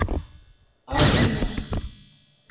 angla